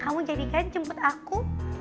kamu jadikan jemput aku